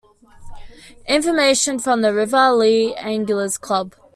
Information from the River Lea Anglers Club.